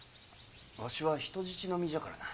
わしは人質の身じゃからな。